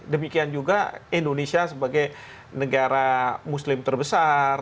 demikian juga indonesia sebagai negara muslim terbesar